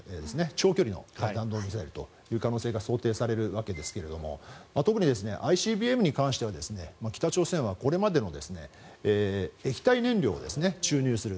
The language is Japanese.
長距離の弾道ミサイルという可能性が想定されるわけですが特にＩＣＢＭに関しては北朝鮮は、これまでも液体燃料を注入する。